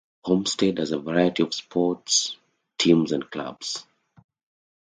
Homestead has a variety of sports teams and clubs.